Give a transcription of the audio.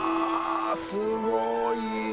すごい。